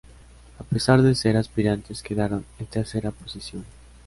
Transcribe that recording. A pesar de ser aspirantes, quedaron en tercera posición.